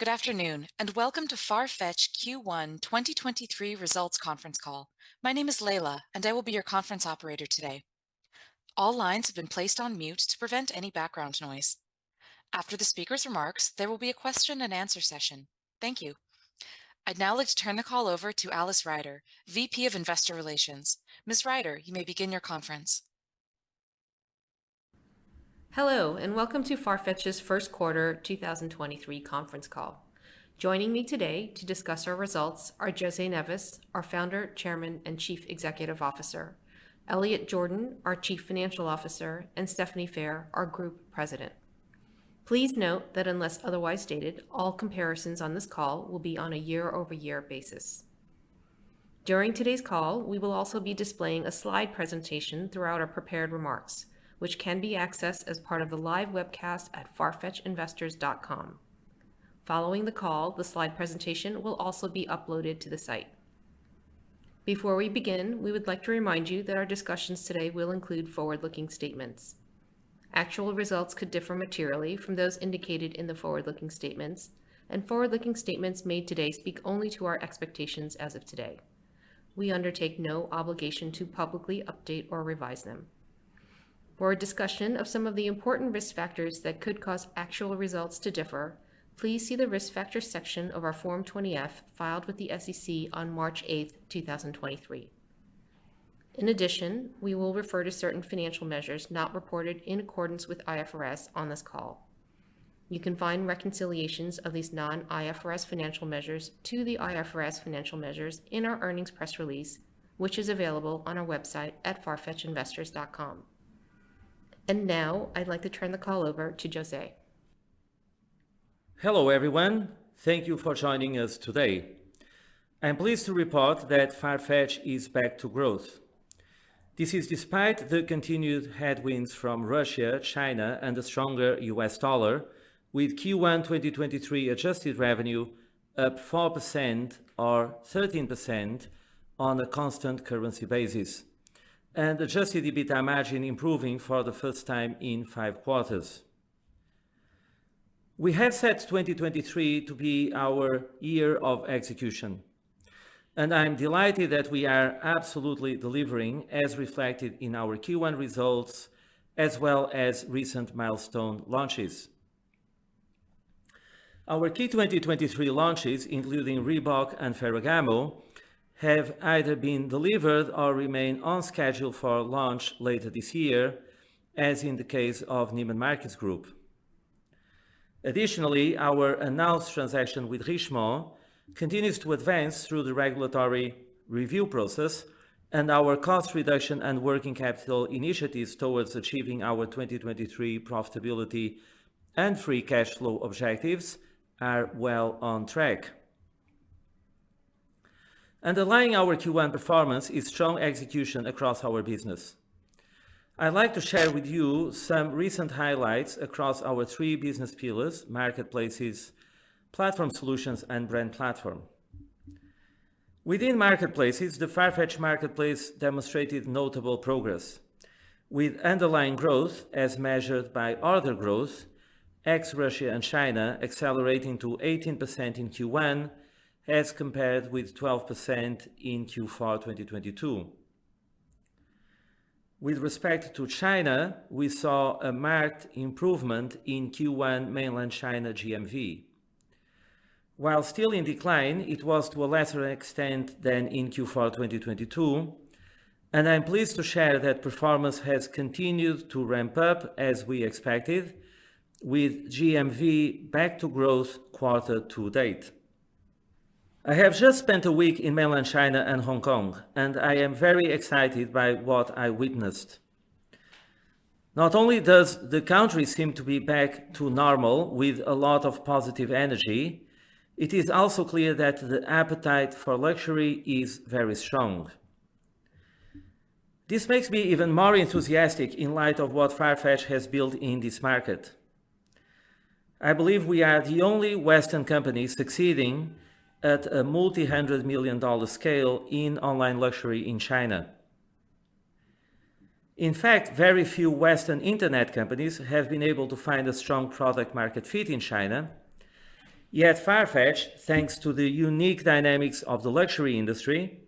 Good afternoon, welcome to FARFETCH Q1 2023 Results Conference Call. My name is Layla, I will be your conference operator today. All lines have been placed on mute to prevent any background noise. After the speaker's remarks, there will be a question and answer session. Thank you. I'd now like to turn the call over to Alice Ryder, VP, Investor Relations. Ms. Ryder, you may begin your conference. Hello, and welcome to FARFETCH's Q1 2023 conference call. Joining me today to discuss our results are José Neves, our Founder, Chairman, and Chief Executive Officer; Elliot Jordan, our Chief Financial Officer; and Stephanie Phair, our Group President. Please note that unless otherwise stated, all comparisons on this call will be on a year-over-year basis. During today's call, we will also be displaying a slide presentation throughout our prepared remarks, which can be accessed as part of the live webcast at farfetchinvestors.com. Following the call, the slide presentation will also be uploaded to the site. Before we begin, we would like to remind you that our discussions today will include forward-looking statements. Actual results could differ materially from those indicated in the forward-looking statements. Forward-looking statements made today speak only to our expectations as of today. We undertake no obligation to publicly update or revise them. For a discussion of some of the important risk factors that could cause actual results to differ, please see the Risk Factors section of our Form 20-F filed with the SEC on March 8, 2023. In addition, we will refer to certain financial measures not reported in accordance with IFRS on this call. You can find reconciliations of these non-IFRS financial measures to the IFRS financial measures in our earnings press release, which is available on our website at farfetchinvestors.com. Now I'd like to turn the call over to José. Hello, everyone. Thank you for joining us today. I'm pleased to report that FARFETCH is back to growth. This is despite the continued headwinds from Russia, China, and the stronger U.S. dollar, with Q1 2023 adjusted revenue up 4% or 13% on a constant currency basis, and adjusted EBITDA margin improving for the first time in five quarters. We have set 2023 to be our year of execution, and I'm delighted that we are absolutely delivering, as reflected in our Q1 results, as well as recent milestone launches. Our key 2023 launches, including Reebok and Ferragamo, have either been delivered or remain on schedule for launch later this year, as in the case of Neiman Marcus Group. Additionally, our announced transaction with Richemont continues to advance through the regulatory review process, and our cost reduction and working capital initiatives towards achieving our 2023 profitability and free cash flow objectives are well on track. Underlying our Q1 performance is strong execution across our business. I'd like to share with you some recent highlights across our 3 business pillars: marketplaces, platform solutions, and brand platform. Within marketplaces, the FARFETCH Marketplace demonstrated notable progress with underlying growth as measured by order growth, ex Russia and China, accelerating to 18% in Q1 as compared with 12% in Q4 2022. With respect to China, we saw a marked improvement in Q1 Mainland China GMV. While still in decline, it was to a lesser extent than in Q4 2022, I'm pleased to share that performance has continued to ramp up as we expected, with GMV back to growth quarter-to-date. I have just spent a week in Mainland China and Hong Kong, I am very excited by what I witnessed. Not only does the country seem to be back to normal with a lot of positive energy, it is also clear that the appetite for luxury is very strong. This makes me even more enthusiastic in light of what FARFETCH has built in this market. I believe we are the only Western company succeeding at a multi-hundred million dollar scale in online luxury in China. Very few Western Internet companies have been able to find a strong product-market fit in China. FARFETCH, thanks to the unique dynamics of the luxury industry,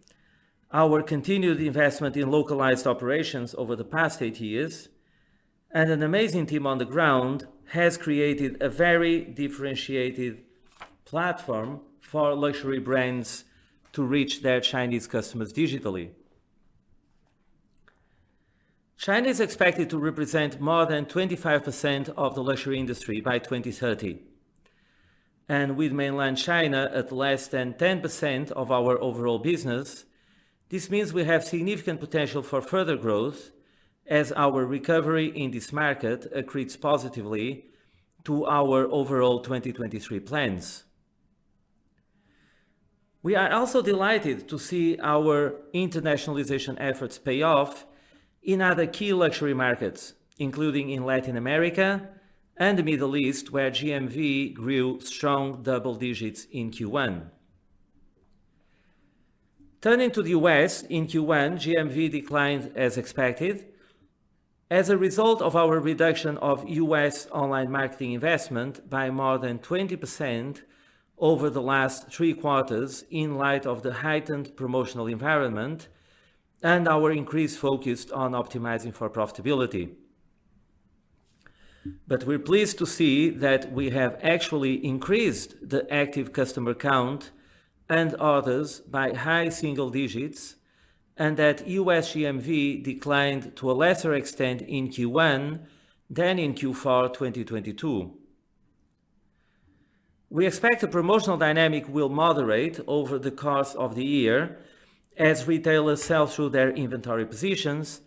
our continued investment in localized operations over the past eight years, and an amazing team on the ground, has created a very differentiated platform for luxury brands to reach their Chinese customers digitally. China is expected to represent more than 25% of the luxury industry by 2030, with Mainland China at less than 10% of our overall business, this means we have significant potential for further growth as our recovery in this market accretes positively to our overall 2023 plans. We are also delighted to see our internationalization efforts pay off in other key luxury markets, including in Latin America and the Middle East, where GMV grew strong double-digit in Q1. Turning to the U.S., in Q1, GMV declined as expected as a result of our reduction of U.S. online marketing investment by more than 20% over the last three quarters in light of the heightened promotional environment and our increased focus on optimizing for profitability. We're pleased to see that we have actually increased the active customer count and orders by high single-digit, and that U.S. GMV declined to a lesser extent in Q1 than in Q4 2022. We expect that the promotional dynamic will moderate over the course of the year as retailers sell through their inventory positions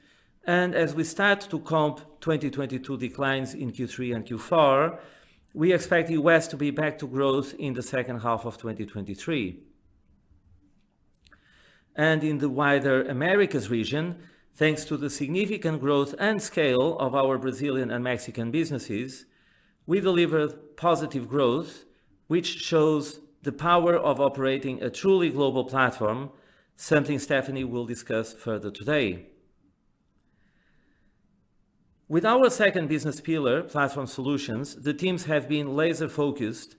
and as we start to comp 2022 declines in Q3 and Q4, we expect U.S. to be back to growth in the second half of 2023. In the wider Americas region, thanks to the significant growth and scale of our Brazilian and Mexican businesses, we delivered positive growth, which shows the power of operating a truly global platform, something Stephanie will discuss further today. With our second business pillar, Platform Solutions, the teams have been laser-focused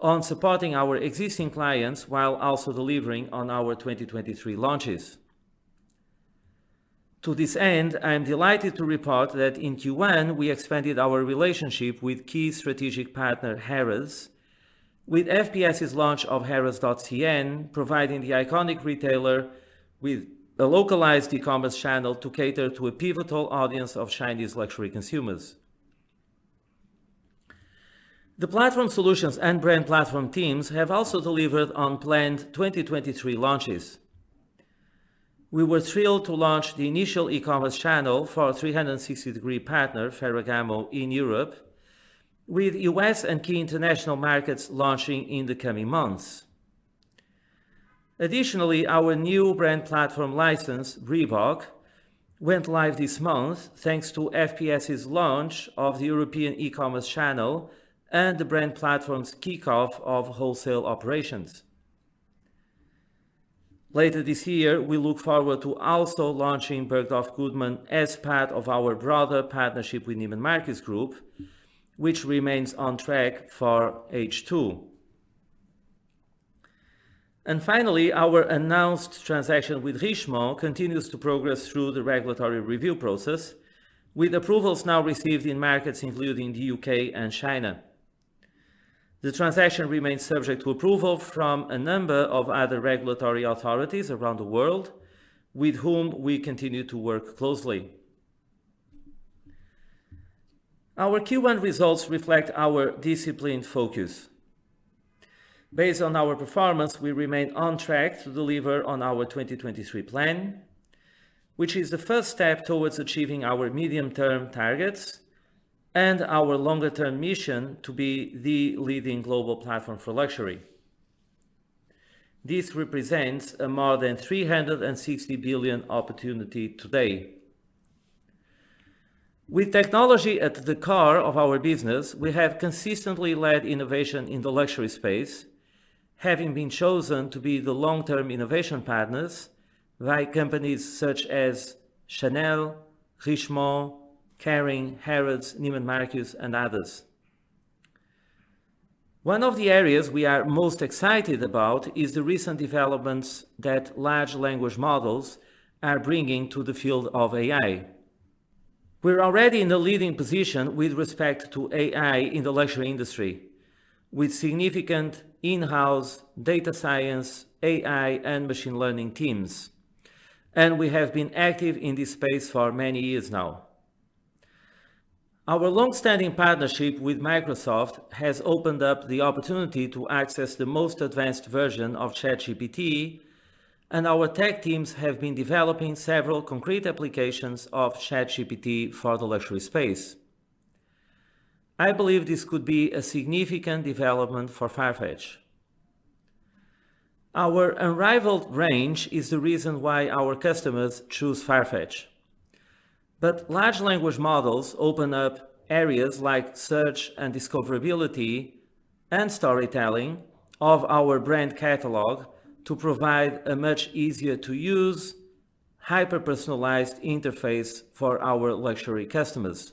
on supporting our existing clients while also delivering on our 2023 launches. To this end, I am delighted to report that in Q1 we expanded our relationship with key strategic partner, Harrods, with FPS's launch of harrods.cn, providing the iconic retailer with a localized e-commerce channel to cater to a pivotal audience of Chinese luxury consumers. The Platform Solutions and Brand Platform teams have also delivered on planned 2023 launches. We were thrilled to launch the initial e-commerce channel for our 360-degree partner, Ferragamo, in Europe with U.S. and key international markets launching in the coming months. Additionally, our new Brand Platform license, Reebok, went live this month thanks to FPS's launch of the European e-commerce channel and the Brand Platform's kickoff of wholesale operations. Later this year, we look forward to also launching Bergdorf Goodman as part of our broader partnership with Neiman Marcus Group, which remains on track for H2. Finally, our announced transaction with Richemont continues to progress through the regulatory review process with approvals now received in markets including the UK and China. The transaction remains subject to approval from a number of other regulatory authorities around the world with whom we continue to work closely. Our Q1 results reflect our disciplined focus. Based on our performance, we remain on track to deliver on our 2023 plan, which is the first step towards achieving our medium-term targets and our longer-term mission to be the leading global platform for luxury. This represents a more than $360 billion opportunity today. With technology at the core of our business, we have consistently led innovation in the luxury space, having been chosen to be the long-term innovation partners by companies such as Chanel, Richemont, Kering, Harrods, Neiman Marcus, and others. One of the areas we are most excited about is the recent developments that large language models are bringing to the field of AI. We're already in the leading position with respect to AI in the luxury industry with significant in-house data science, AI, and machine learning teams. We have been active in this space for many years now. Our long-standing partnership with Microsoft has opened up the opportunity to access the most advanced version of ChatGPT, and our tech teams have been developing several concrete applications of ChatGPT for the luxury space. I believe this could be a significant development for FARFETCH. Our unrivaled range is the reason why our customers choose FARFETCH. Large language models open up areas like search and discoverability and storytelling of our brand catalog to provide a much easier-to-use, hyper-personalized interface for our luxury customers.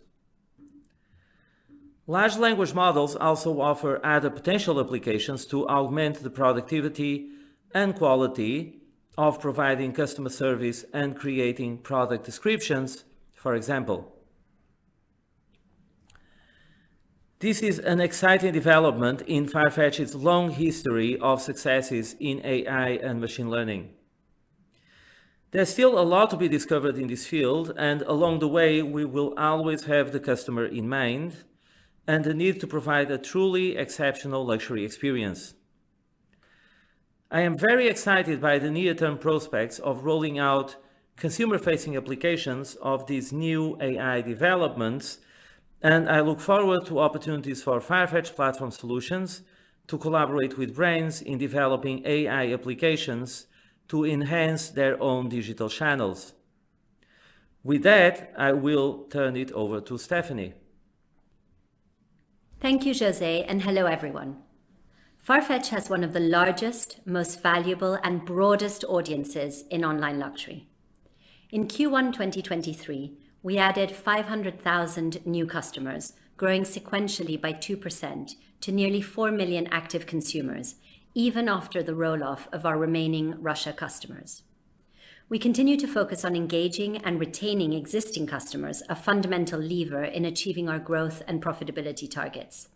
Large language models also offer other potential applications to augment the productivity and quality of providing customer service and creating product descriptions, for example. This is an exciting development in FARFETCH's long history of successes in AI and machine learning. There's still a lot to be discovered in this field, and along the way, we will always have the customer in mind and the need to provide a truly exceptional luxury experience. I am very excited by the near-term prospects of rolling out consumer-facing applications of these new AI developments, and I look forward to opportunities for FARFETCH Platform Solutions to collaborate with brands in developing AI applications to enhance their own digital channels. With that, I will turn it over to Stephanie. Thank you, José, and hello, everyone. FARFETCH has one of the largest, most valuable and broadest audiences in online luxury. In Q1 2023, we added 500,000 new customers, growing sequentially by 2% to nearly 4 million active consumers even after the roll-off of our remaining Russia customers. We continue to focus on engaging and retaining existing customers, a fundamental lever in achieving our growth and profitability targets.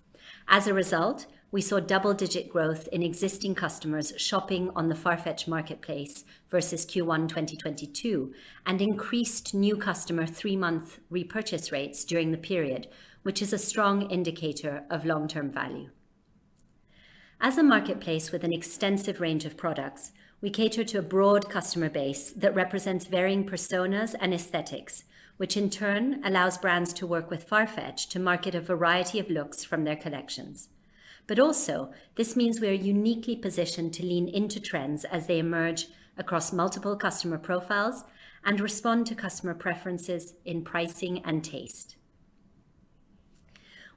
As a result, we saw double-digit growth in existing customers shopping on the FARFETCH Marketplace versus Q1 2022, and increased new customer three-month repurchase rates during the period, which is a strong indicator of long-term value. As a marketplace with an extensive range of products, we cater to a broad customer base that represents varying personas and aesthetics, which in turn allows brands to work with FARFETCH to market a variety of looks from their collections. Also, this means we are uniquely positioned to lean into trends as they emerge across multiple customer profiles and respond to customer preferences in pricing and taste.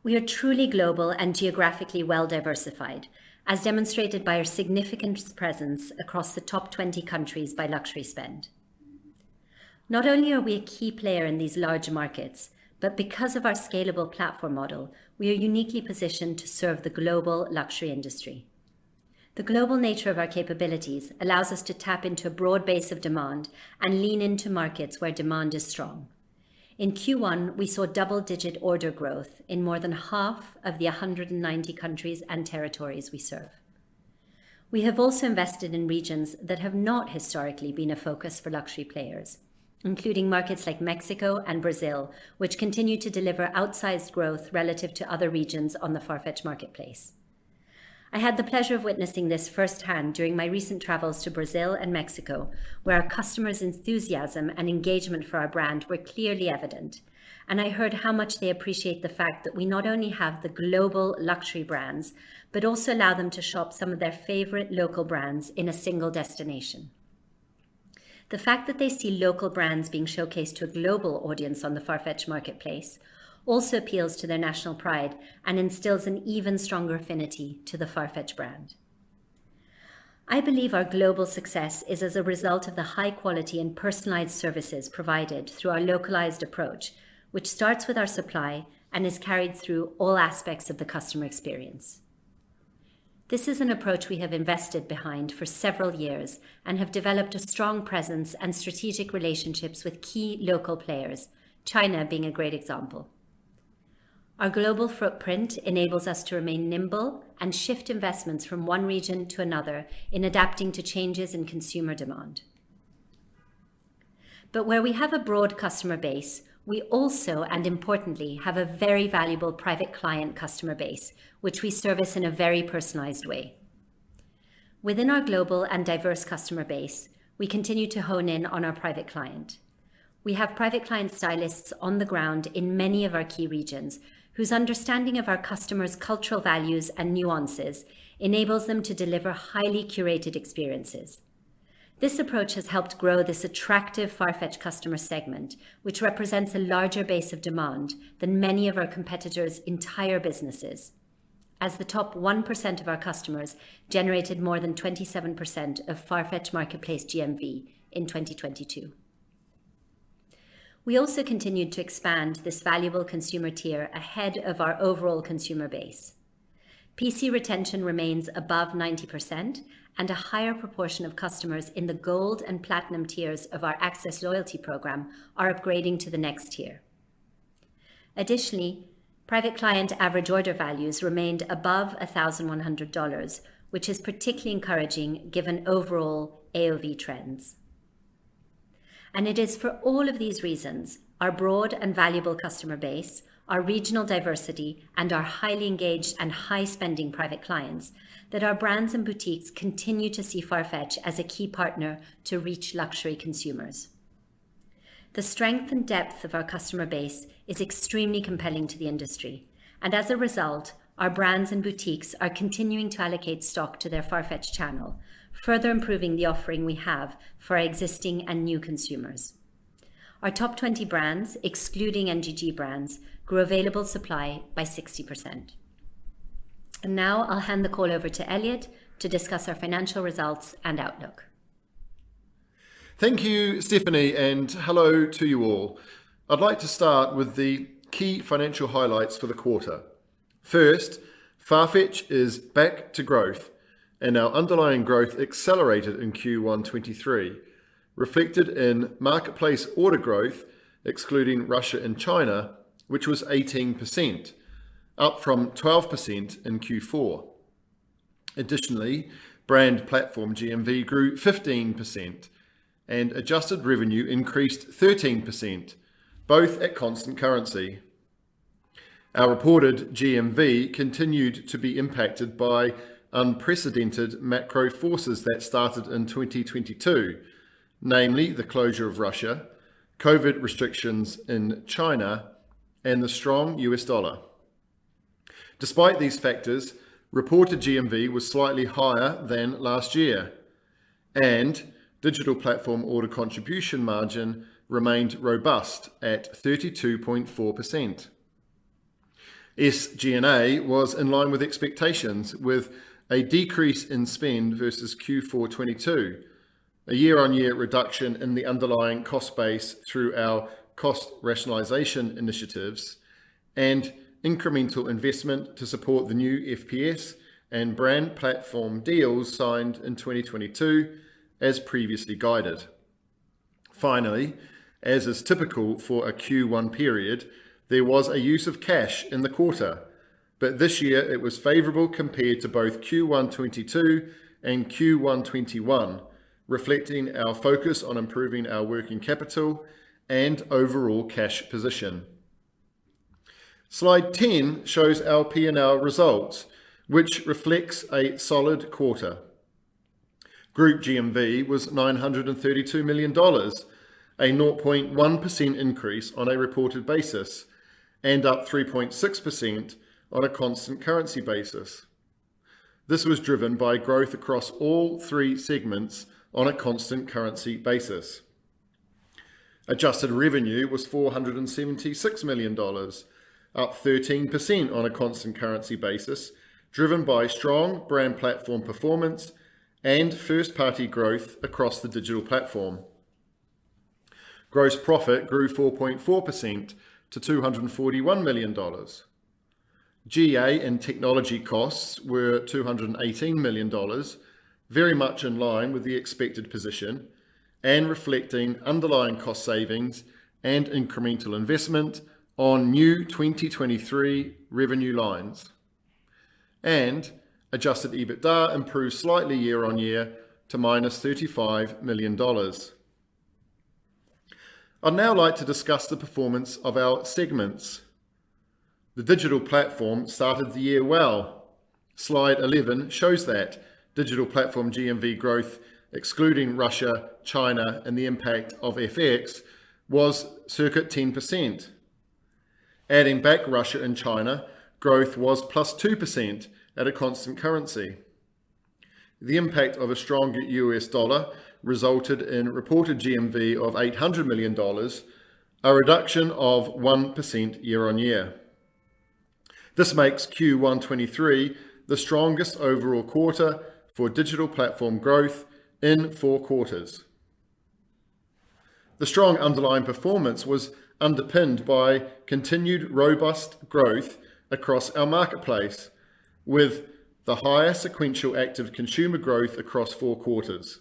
We are truly global and geographically well-diversified, as demonstrated by our significant presence across the top 20 countries by luxury spend. Not only are we a key player in these large markets, but because of our scalable platform model, we are uniquely positioned to serve the global luxury industry. The global nature of our capabilities allows us to tap into a broad base of demand and lean into markets where demand is strong. In Q1, we saw double-digit order growth in more than half of the 190 countries and territories we serve. We have also invested in regions that have not historically been a focus for luxury players, including markets like Mexico and Brazil, which continue to deliver outsized growth relative to other regions on the FARFETCH Marketplace. I had the pleasure of witnessing this firsthand during my recent travels to Brazil and Mexico, where our customers' enthusiasm and engagement for our brand were clearly evident. I heard how much they appreciate the fact that we not only have the global luxury brands, but also allow them to shop some of their favorite local brands in a single destination. The fact that they see local brands being showcased to a global audience on the FARFETCH Marketplace also appeals to their national pride and instills an even stronger affinity to the FARFETCH brand. I believe our global success is as a result of the high quality and personalized services provided through our localized approach, which starts with our supply and is carried through all aspects of the customer experience. This is an approach we have invested behind for several years and have developed a strong presence and strategic relationships with key local players, China being a great example. Where we have a broad customer base, we also, and importantly, have a very valuable private client customer base, which we service in a very personalized way. Within our global and diverse customer base, we continue to hone in on our private client. We have private client stylists on the ground in many of our key regions, whose understanding of our customers' cultural values and nuances enables them to deliver highly curated experiences. This approach has helped grow this attractive FARFETCH customer segment, which represents a larger base of demand than many of our competitors' entire businesses as the top 1% of our customers generated more than 27% of FARFETCH Marketplace GMV in 2022. We also continued to expand this valuable consumer tier ahead of our overall consumer base. PC retention remains above 90% and a higher proportion of customers in the gold and platinum tiers of our Access loyalty programme are upgrading to the next tier. Additionally, private client average order values remained above $1,100, which is particularly encouraging given overall AOV trends. It is for all of these reasons, our broad and valuable customer base, our regional diversity, and our highly engaged and high-spending private clients that our brands and boutiques continue to see FARFETCH as a key partner to reach luxury consumers. The strength and depth of our customer base is extremely compelling to the industry, and as a result, our brands and boutiques are continuing to allocate stock to their FARFETCH channel, further improving the offering we have for our existing and new consumers. Our top 20 brands, excluding NGG brands, grew available supply by 60%. Now I'll hand the call over to Elliot to discuss our financial results and outlook. Thank you, Stephanie, and hello to you all. I'd like to start with the key financial highlights for the quarter. First, FARFETCH is back to growth, and our underlying growth accelerated in Q1 2023, reflected in marketplace order growth, excluding Russia and China, which was 18%, up from 12% in Q4. Additionally, brand platform GMV grew 15% and adjusted revenue increased 13%, both at constant currency. Our reported GMV continued to be impacted by unprecedented macro forces that started in 2022, namely the closure of Russia, COVID restrictions in China, and the strong U.S. dollar. Despite these factors, reported GMV was slightly higher than last year. Digital Platform Order Contribution Margin remained robust at 32.4%. SG&A was in line with expectations, with a decrease in spend versus Q4 2022, a year-on-year reduction in the underlying cost base through our cost rationalization initiatives, and incremental investment to support the new FPS and brand platform deals signed in 2022 as previously guided. Finally, as is typical for a Q1 period, there was a use of cash in the quarter, but this year it was favorable compared to both Q1 2022 and Q1 2021, reflecting our focus on improving our working capital and overall cash position. Slide 10 shows our P&L results, which reflects a solid quarter. Group GMV was $932 million, a 0.1% increase on a reported basis, and up 3.6% on a constant currency basis. This was driven by growth across all 3 segments on a constant currency basis. Adjusted revenue was $476 million, up 13% on a constant currency basis, driven by strong brand platform performance and first-party growth across the digital platform. Gross profit grew 4.4% to $241 million. G&A and technology costs were $218 million, very much in line with the expected position and reflecting underlying cost savings and incremental investment on new 2023 revenue lines. Adjusted EBITDA improved slightly year-on-year to -$35 million. I'd now like to discuss the performance of our segments. The digital platform started the year well. Slide 11 shows that. Digital platform GMV growth, excluding Russia, China, and the impact of FX, was circa 10%. Adding back Russia and China, growth was +2% at a constant currency. The impact of a strong U.S. dollar resulted in reported GMV of $800 million, a reduction of 1% year-on-year. This makes Q1 2023 the strongest overall quarter for digital platform growth in four quarters. The strong underlying performance was underpinned by continued robust growth across our marketplace, with the highest sequential active consumer growth across four quarters,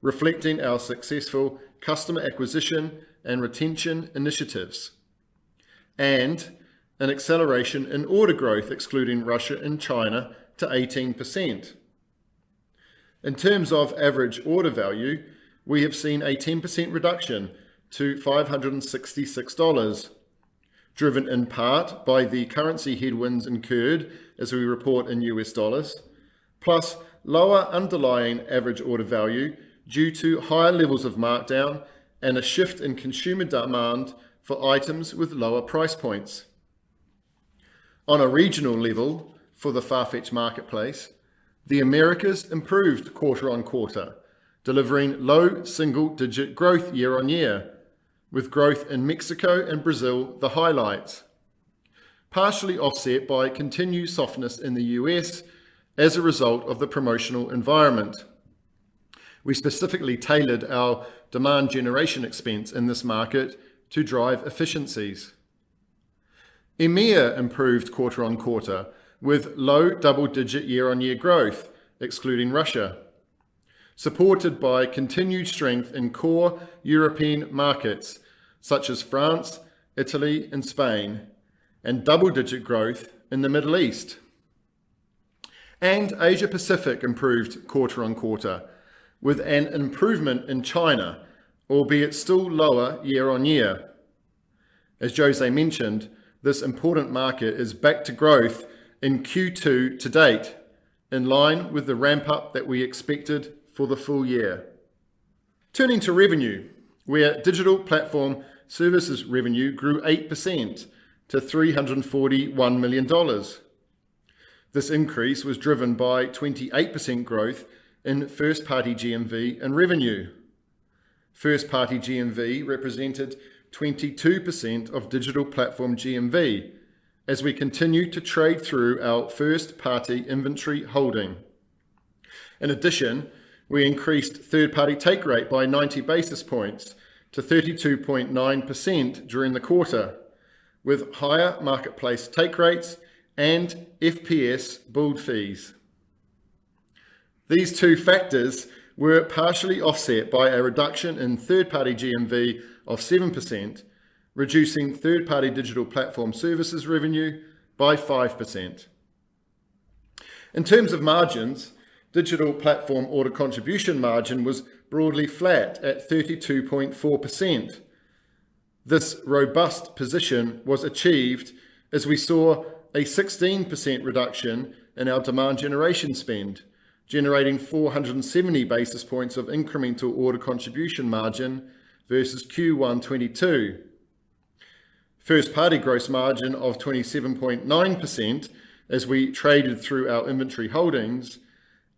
reflecting our successful customer acquisition and retention initiatives, and an acceleration in order growth, excluding Russia and China, to 18%. In terms of average order value, we have seen a 10% reduction to $566, driven in part by the currency headwinds incurred as we report in U.S. dollars, plus lower underlying average order value due to higher levels of markdown and a shift in consumer demand for items with lower price points. On a regional level for the FARFETCH Marketplace, the Americas improved quarter-on-quarter, delivering low single-digit growth year-on-year, with growth in Mexico and Brazil the highlights, partially offset by continued softness in the U.S. as a result of the promotional environment. We specifically tailored our demand generation expense in this market to drive efficiencies. EMEA improved quarter-on-quarter with low double-digit year-on-year growth, excluding Russia, supported by continued strength in core European markets such as France, Italy, and Spain, and double-digit growth in the Middle East. Asia Pacific improved quarter-on-quarter with an improvement in China, albeit still lower year-on-year. As José mentioned, this important market is back to growth in Q2 to date, in line with the ramp-up that we expected for the full year. Turning to revenue, where digital platform services revenue grew 8% to $341 million. This increase was driven by 28% growth in first-party GMV and revenue. First-party GMV represented 22% of Digital Platform GMV as we continue to trade through our first-party inventory holding. In addition, we increased Third-Party Take Rate by 90 basis points to 32.9% during the quarter with higher marketplace take rates and FPS billed fees. These two factors were partially offset by a reduction in third-party GMV of 7%, reducing third-party digital platform services revenue by 5%. In terms of margins, Digital Platform Order Contribution Margin was broadly flat at 32.4%. This robust position was achieved as we saw a 16% reduction in our demand generation spend, generating 470 basis points of incremental order contribution margin versus Q1 2022. First-party gross margin of 27.9% as we traded through our inventory holdings,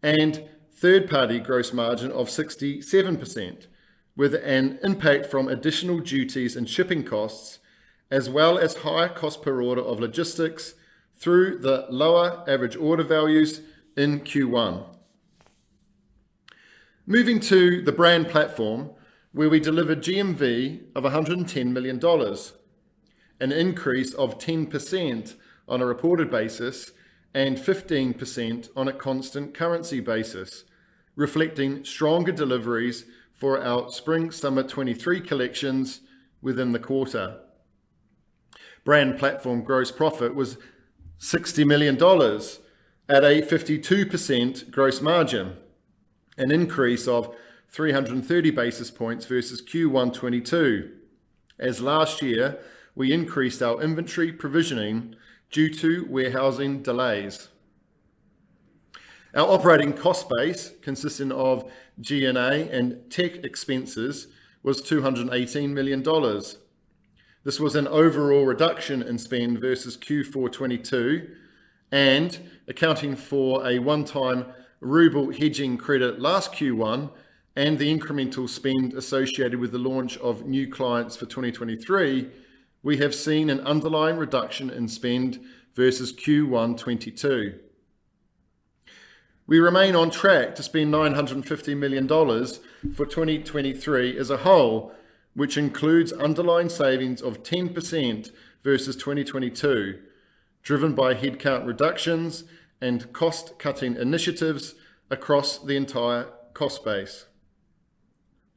and third-party gross margin of 67% with an impact from additional duties and shipping costs, as well as higher cost per order of logistics through the lower average order values in Q1. Moving to the brand platform, where we delivered GMV of $110 million, an increase of 10% on a reported basis and 15% on a constant currency basis, reflecting stronger deliveries for our spring/summer 2023 collections within the quarter. Brand platform gross profit was $60 million at a 52% gross margin, an increase of 330 basis points versus Q1 2022. As last year, we increased our inventory provisioning due to warehousing delays. Our operating cost base, consisting of G&A and tech expenses, was $218 million. This was an overall reduction in spend versus Q4 2022 and accounting for a one-time ruble hedging credit last Q1 and the incremental spend associated with the launch of new clients for 2023, we have seen an underlying reduction in spend versus Q1 2022. We remain on track to spend $950 million for 2023 as a whole, which includes underlying savings of 10% versus 2022, driven by headcount reductions and cost-cutting initiatives across the entire cost base.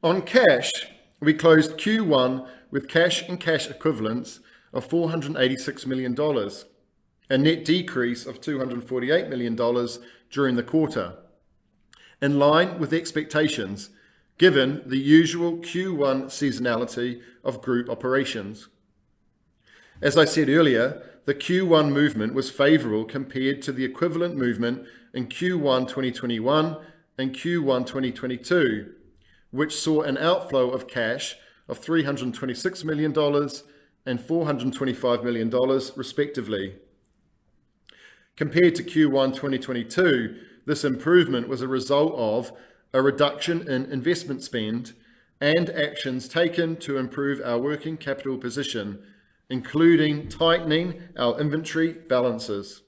On cash, we closed Q1 with cash and cash equivalents of $486 million, a net decrease of $248 million during the quarter, in line with expectations given the usual Q1 seasonality of group operations. As I said earlier, the Q1 movement was favorable compared to the equivalent movement in Q1 2021 and Q1 2022, which saw an outflow of cash of $326 million and $425 million, respectively. Compared to Q1 2022, this improvement was a result of a reduction in investment spend and actions taken to improve our working capital position, including tightening our inventory balances.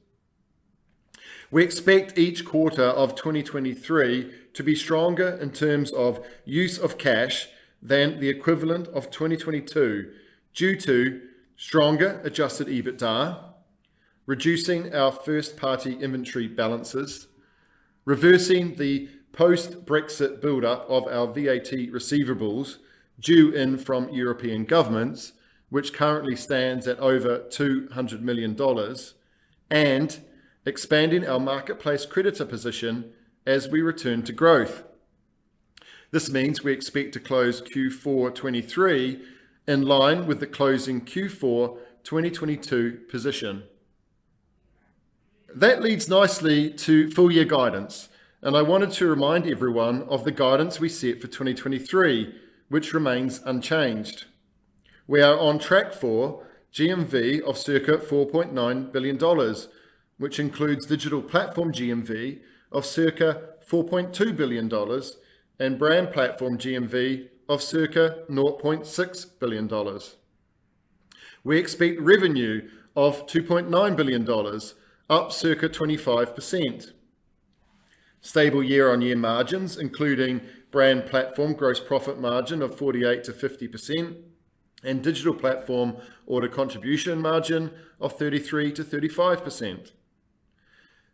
We expect each quarter of 2023 to be stronger in terms of use of cash than the equivalent of 2022 due to stronger adjusted EBITDA, reducing our first-party inventory balances, reversing the post-Brexit buildup of our VAT receivables due from European governments, which currently stands at over $200 million, and expanding our marketplace creditor position as we return to growth. This means we expect to close Q4 2023 in line with the closing Q4 2022 position. That leads nicely to full year guidance. I wanted to remind everyone of the guidance we set for 2023, which remains unchanged. We are on track for GMV of circa $4.9 billion, which includes digital platform GMV of circa $4.2 billion and brand platform GMV of circa $0.6 billion. We expect revenue of $2.9 billion, up circa 25%. Stable year-on-year margins, including brand platform gross profit margin of 48%-50% and Digital Platform Order Contribution Margin of 33%-35%.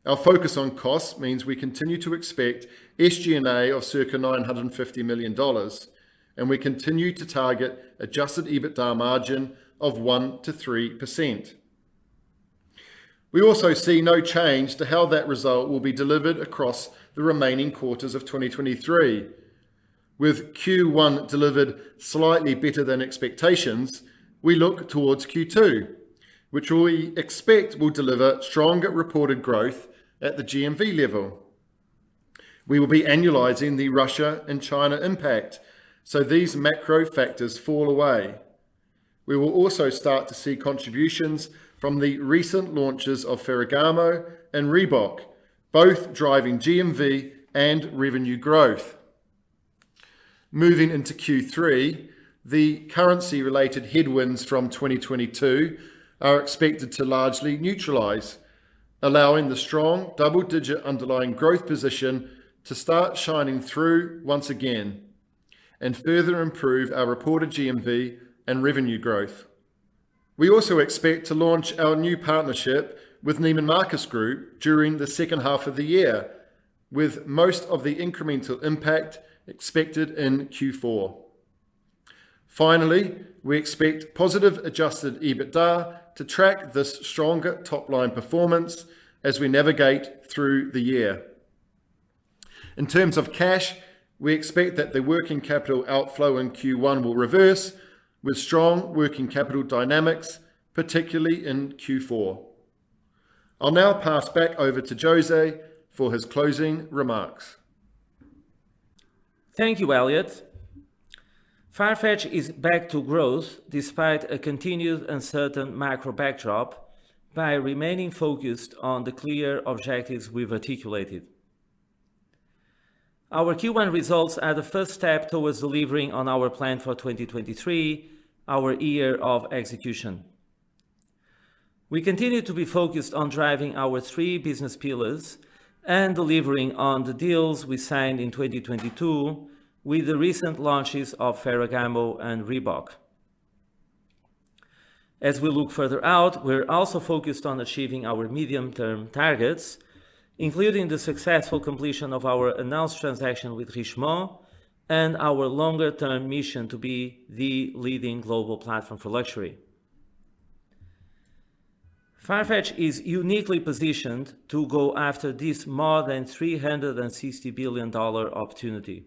Our focus on costs means we continue to expect SG&A of circa $950 million, and we continue to target adjusted EBITDA margin of 1%-3%. We also see no change to how that result will be delivered across the remaining quarters of 2023. With Q1 delivered slightly better than expectations, we look towards Q2, which we expect will deliver stronger reported growth at the GMV level. We will be annualizing the Russia and China impact, so these macro factors fall away. We will also start to see contributions from the recent launches of Ferragamo and Reebok, both driving GMV and revenue growth. Moving into Q3, the currency related headwinds from 2022 are expected to largely neutralize, allowing the strong double-digit underlying growth position to start shining through once again and further improve our reported GMV and revenue growth. We also expect to launch our new partnership with Neiman Marcus Group during the second half of the year, with most of the incremental impact expected in Q4. Finally, we expect positive adjusted EBITDA to track this stronger top-line performance as we navigate through the year. In terms of cash, we expect that the working capital outflow in Q1 will reverse with strong working capital dynamics, particularly in Q4. I'll now pass back over to José for his closing remarks. Thank you, Elliot. FARFETCH is back to growth despite a continued uncertain macro backdrop by remaining focused on the clear objectives we've articulated. Our Q1 results are the first step towards delivering on our plan for 2023, our year of execution. We continue to be focused on driving our three business pillars and delivering on the deals we signed in 2022 with the recent launches of Ferragamo and Reebok. As we look further out, we're also focused on achieving our medium-term targets, including the successful completion of our announced transaction with Richemont and our longer-term mission to be the leading global platform for luxury. FARFETCH is uniquely positioned to go after this more than $360 billion opportunity.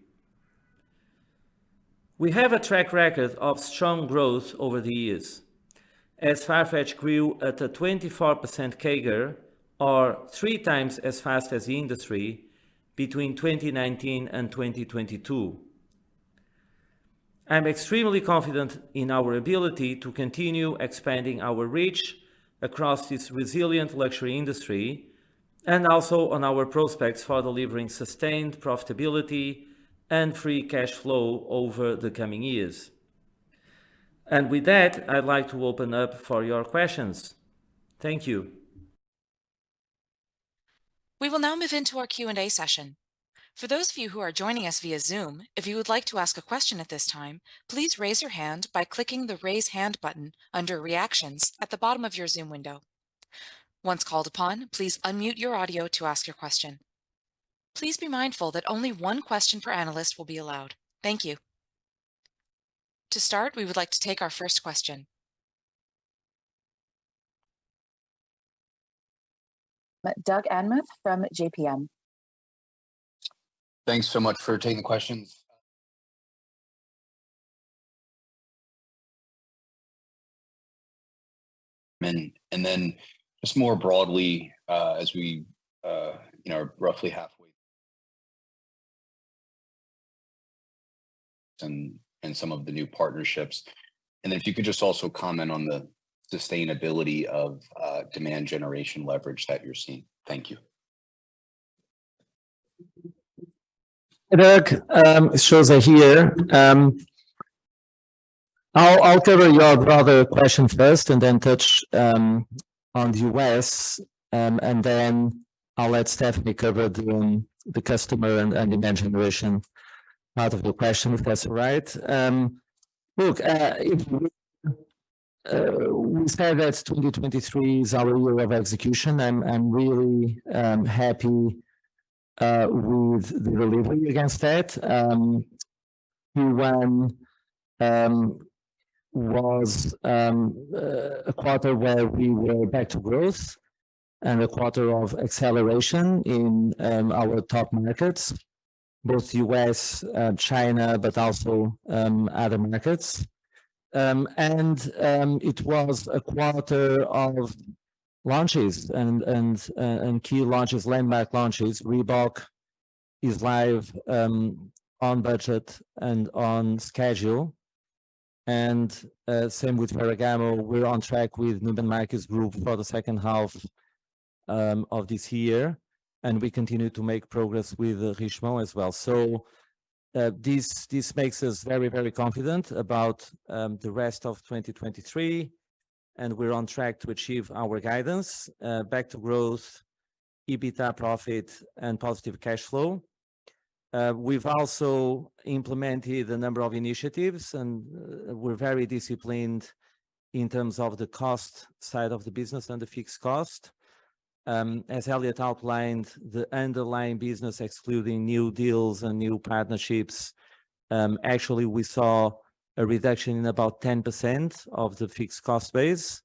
We have a track record of strong growth over the years, as FARFETCH grew at a 24% CAGR or 3x as fast as the industry between 2019 and 2022. I'm extremely confident in our ability to continue expanding our reach across this resilient luxury industry and also on our prospects for delivering sustained profitability and free cash flow over the coming years. With that, I'd like to open up for your questions. Thank you. We will now move into our Q&A session. For those of you who are joining us via Zoom, if you would like to ask a question at this time, please raise your hand by clicking the Raise Hand button under Reactions at the bottom of your Zoom window. Once called upon, please unmute your audio to ask your question. Please be mindful that only one question per analyst will be allowed. Thank you. To start, we would like to take our first question. Doug Anmuth from JPMorgan. Thanks so much for taking the questions. Then just more broadly, as we, you know, are roughly halfway and some of the new partnerships. If you could just also comment on the sustainability of demand generation leverage that you're seeing. Thank you. Doug, it's José here. I'll cover your other questions first and then touch on the U.S., and then I'll let Stephanie cover the customer and demand generation part of the question, if that's all right. Look, if we said that 2023 is our year of execution. I'm really happy with the delivery against that. Q1 was a quarter where we were back to growth and a quarter of acceleration in our top markets, both U.S., China, but also other markets. It was a quarter of launches and key launches, landmark launches. Reebok is live, on budget and on schedule. Same with Ferragamo. We're on track with Kering Group for the second half this year. We continue to make progress with Richemont as well. This makes us very confident about the rest of 2023. We're on track to achieve our guidance, back to growth, EBITDA profit and positive cash flow. We've also implemented a number of initiatives. We're very disciplined in terms of the cost side of the business and the fixed cost. As Elliot outlined, the underlying business, excluding new deals and new partnerships, actually we saw a reduction in about 10% of the fixed cost base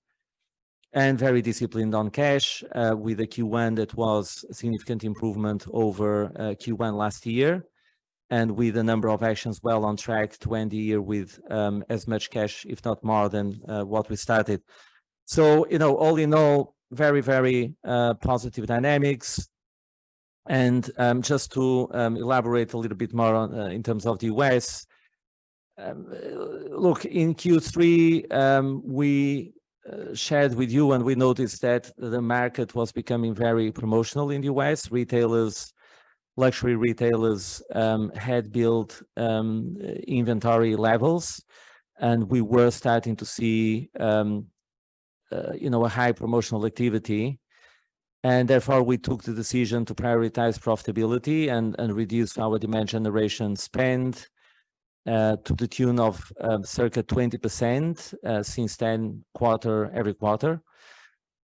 and very disciplined on cash, with a Q1 that was a significant improvement over Q1 last year. With a number of actions well on track to end the year with as much cash, if not more than what we started. You know, all in all, very, very positive dynamics. Just to elaborate a little bit more on in terms of the U.S. Look, in Q3, we shared with you and we noticed that the market was becoming very promotional in the U.S. Retailers, luxury retailers had built inventory levels, and we were starting to see, you know, a high promotional activity. Therefore, we took the decision to prioritize profitability and reduce our demand generation spend to the tune of circa 20% since then, quarter-every-quarter.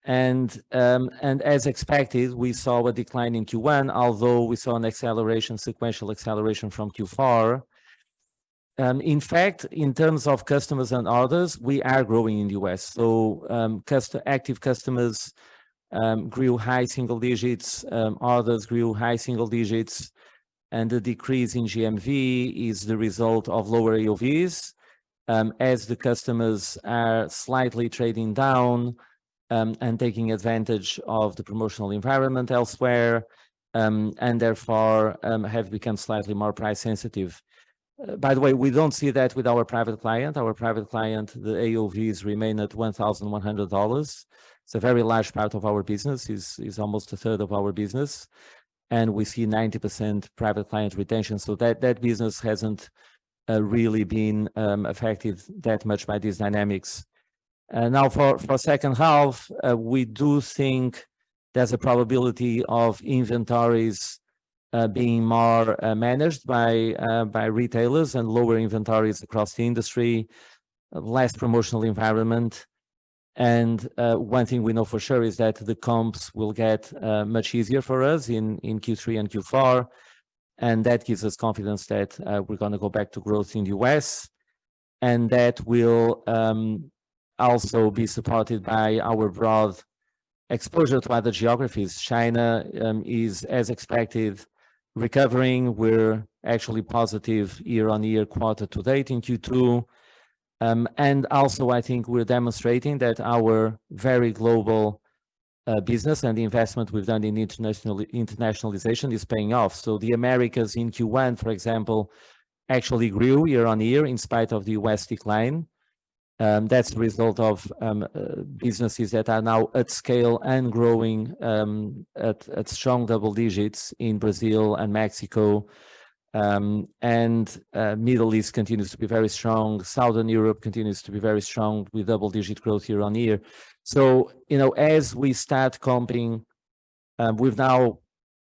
As expected, we saw a decline in Q1, although we saw an acceleration, sequential acceleration from Q4. In fact, in terms of customers and orders, we are growing in the U.S. Active customers grew high single-digit. Others grew high single-digit, and the decrease in GMV is the result of lower AOVs as the customers are slightly trading down and taking advantage of the promotional environment elsewhere, and therefore have become slightly more price sensitive. By the way, we don't see that with our private client. Our private client, the AOVs remain at $1,100. It's a very large part of our business, is almost a third of our business, and we see 90% private client retention. That, that business hasn't really been affected that much by these dynamics. Now for second half, we do think there's a probability of inventories being more managed by retailers and lower inventories across the industry, less promotional environment. One thing we know for sure is that the comps will get much easier for us in Q3 and Q4, and that gives us confidence that we're gonna go back to growth in U.S. That will also be supported by our broad exposure to other geographies. China is as expected, recovering. We're actually positive year-over-year quarter-to-date in Q2. Also I think we're demonstrating that our very global business and the investment we've done in internationalization is paying off. The Americas in Q1, for example, actually grew year-over-year in spite of the US decline. That's the result of businesses that are now at scale and growing at strong double-digit in Brazil and Mexico. Middle East continues to be very strong. Southern Europe continues to be very strong with double-digit growth year-over-year. You know, as we start comping, we've now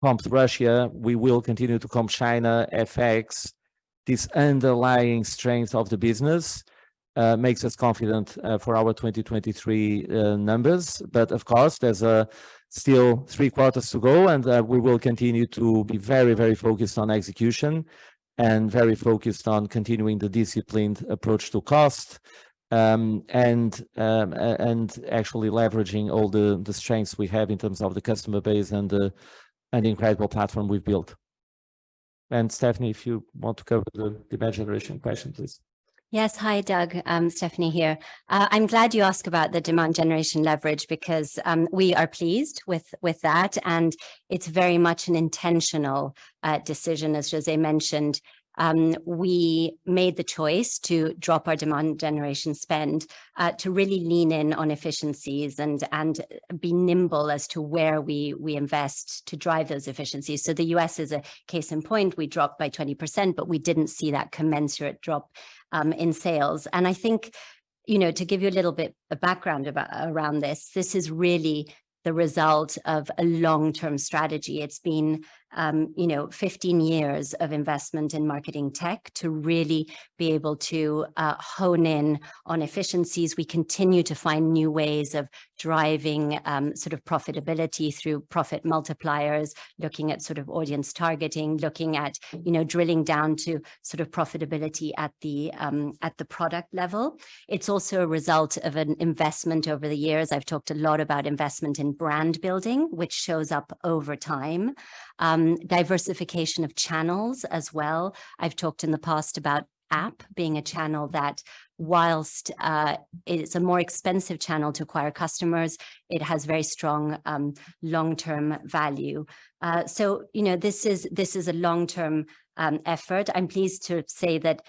comped Russia, we will continue to comp China, FX. This underlying strength of the business makes us confident for our 2023 numbers. Of course, there's still three quarters to go, and we will continue to be very focused on execution and very focused on continuing the disciplined approach to cost. Actually leveraging all the strengths we have in terms of the customer base and the, and the incredible platform we've built. Stephanie, if you want to cover the demand generation question, please. Yes. Hi, Doug. I'm Stephanie here. I'm glad you asked about the demand generation leverage because we are pleased with that, and it's very much an intentional decision. As José mentioned, we made the choice to drop our demand generation spend to really lean in on efficiencies and be nimble as to where we invest to drive those efficiencies. The U.S. is a case in point. We dropped by 20%, but we didn't see that commensurate drop in sales. I think, you know, to give you a little bit of background around this is really the result of a long-term strategy. It's been, you know, 15 years of investment in marketing tech to really be able to hone in on efficiencies. We continue to find new ways of driving, sort of profitability through profit multipliers, looking at sort of audience targeting, looking at, you know, drilling down to sort of profitability at the product level. It's also a result of an investment over the years. I've talked a lot about investment in brand building, which shows up over time. Diversification of channels as well. I've talked in the past about app being a channel that whilst, it's a more expensive channel to acquire customers, it has very strong, long-term value. You know, this is, this is a long-term, effort. I'm pleased to say that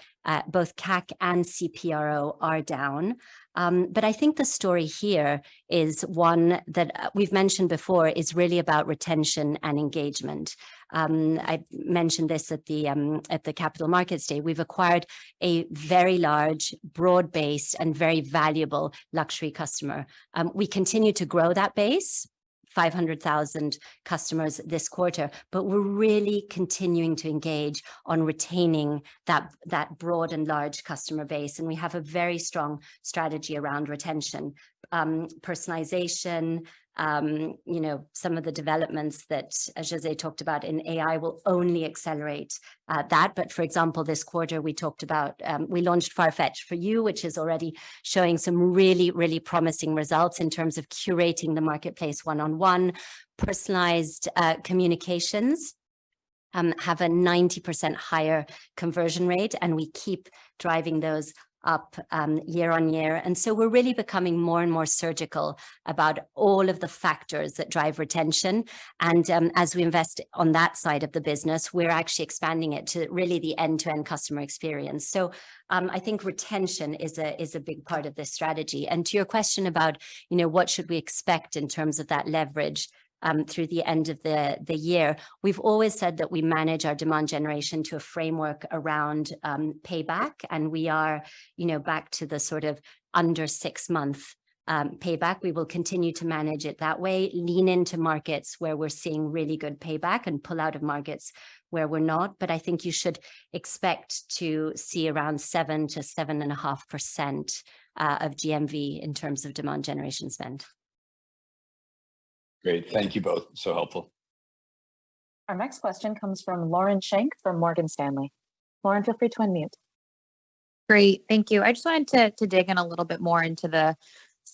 both CAC and CPRO are down. I think the story here is one that we've mentioned before is really about retention and engagement. I mentioned this at the Capital Markets Day. We've acquired a very large, broad base and very valuable luxury customer. We continue to grow that base, 500,000 customers this quarter. We're really continuing to engage on retaining that broad and large customer base, and we have a very strong strategy around retention. Personalization, you know, some of the developments that, as José talked about in AI will only accelerate that. For example, this quarter we talked about, we launched FARFETCH For You, which is already showing some really promising results in terms of curating the marketplace one-on-one. Personalized communications have a 90% higher conversion rate, and we keep driving those up year-on-year. We're really becoming more and more surgical about all of the factors that drive retention. As we invest on that side of the business, we're actually expanding it to really the end-to-end customer experience. I think retention is a big part of this strategy. To your question about, you know, what should we expect in terms of that leverage through the end of the year, we've always said that we manage our demand generation to a framework around payback, and we are, you know, back to the sort of under six month payback. We will continue to manage it that way, lean into markets where we're seeing really good payback and pull out of markets where we're not. I think you should expect to see around 7-7.5% of GMV in terms of demand generation spend. Great. Thank you both. Helpful. Our next question comes from Lauren Schenk from Morgan Stanley. Lauren, feel free to unmute. Great. Thank you. I just wanted to dig in a little bit more into the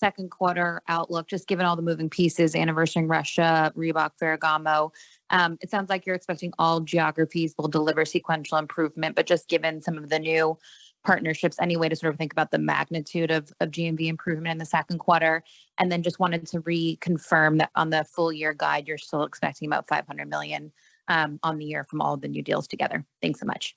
Q2 outlook, just given all the moving pieces, anniversarying Russia, Reebok, Ferragamo. It sounds like you're expecting all geographies will deliver sequential improvement, but just given some of the new partnerships, any way to sort of think about the magnitude of GMV improvement in the Q2? Then just wanted to reconfirm that on the full year guide, you're still expecting about $500 million on the year from all of the new deals together. Thanks so much.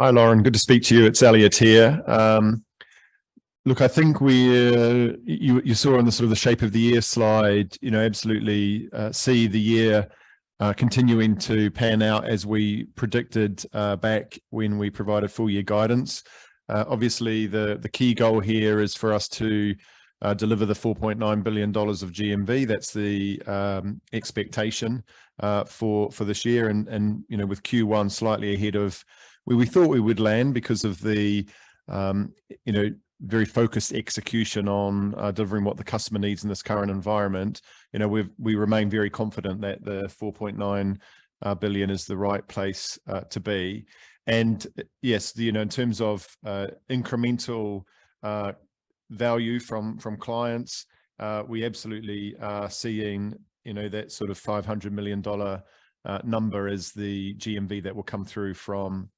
Hi, Lauren. Good to speak to you. It's Elliot here. Look, I think you saw in the sort of the shape of the year slide, you know, absolutely, see the year continuing to pan out as we predicted back when we provided full year guidance. Obviously the key goal here is for us to deliver the $4.9 billion of GMV. That's the expectation for this year. And, you know, with Q1 slightly ahead of where we thought we would land because of the, you know, very focused execution on delivering what the customer needs in this current environment. You know, we remain very confident that the $4.9 billion is the right place to be. Yes, you know, in terms of incremental value from clients, we absolutely are seeing, you know, that sort of $500 million number as the GMV that will come through from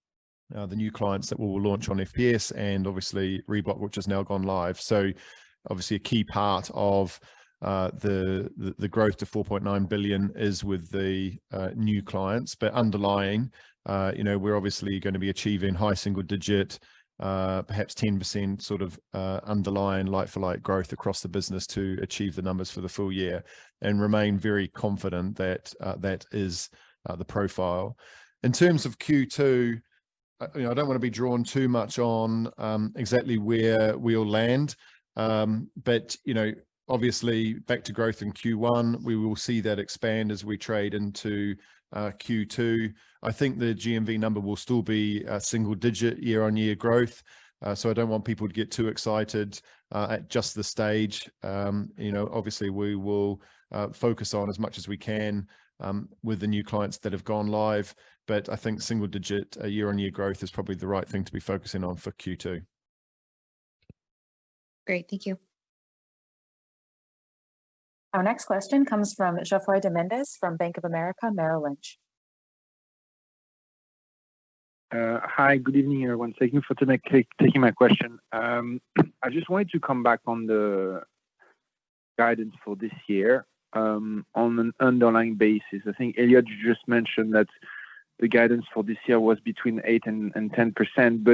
the new clients that we will launch on FPS and obviously Reebok, which has now gone live. Obviously a key part of the growth to $4.9 billion is with the new clients. Underlying, you know, we're obviously gonna be achieving high single-digit, perhaps 10% sort of underlying like for like growth across the business to achieve the numbers for the full year and remain very confident that that is the profile. In terms of Q2, you know, I don't wanna be drawn too much on exactly where we'll land. You know, obviously back to growth in Q1, we will see that expand as we trade into Q2. I think the GMV number will still be a single-digit year-on-year growth. I don't want people to get too excited at just the stage. You know, obviously we will focus on as much as we can with the new clients that have gone live. I think single-digit year-on-year growth is probably the right thing to be focusing on for Q2. Great. Thank you. Our next question comes from Geoffroy de Mendez from Bank of America Merrill Lynch. Hi. Good evening, everyone. Thank you for taking my question. I just wanted to come back on the guidance for this year, on an underlying basis. I think, Elliot, you just mentioned that the guidance for this year was between 8% and 10%.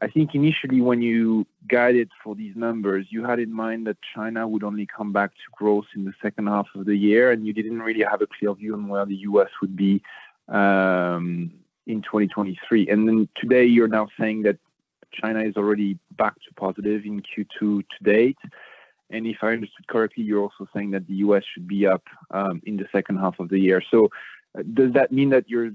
I think initially when you guided for these numbers, you had in mind that China would only come back to growth in the second half of the year, and you didn't really have a clear view on where the U.S. would be in 2023. Today you're now saying that China is already back to positive in Q2 to date. If I understood correctly, you're also saying that the U.S. should be up in the second half of the year. Does that mean that you're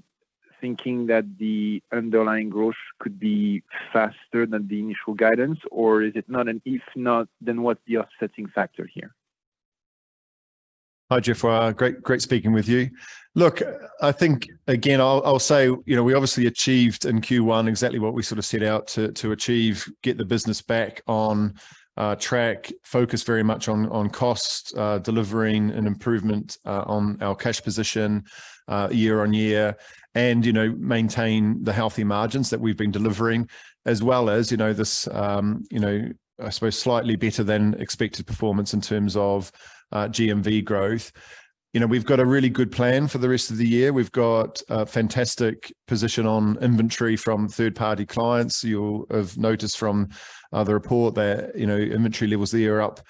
thinking that the underlying growth could be faster than the initial guidance, or is it not? If not, what's the offsetting factor here? Hi, Geoffroy. Great speaking with you. Look, I think again, I'll say, you know, we obviously achieved in Q1 exactly what we sort of set out to achieve, get the business back on track, focus very much on cost, delivering an improvement on our cash position year-on-year, and, you know, maintain the healthy margins that we've been delivering as well as, you know, this, you know, I suppose slightly better than expected performance in terms of GMV growth. You know, we've got a really good plan for the rest of the year. We've got a fantastic position on inventory from third-party clients. You'll have noticed from the report that, you know, inventory levels are up